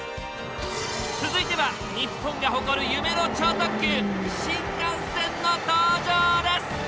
続いては日本が誇る夢の超特急新幹線の登場です！